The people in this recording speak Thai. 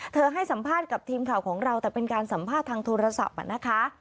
ให้สัมภาษณ์กับทีมข่าวของเราแต่เป็นการสัมภาษณ์ทางโทรศัพท์นะคะ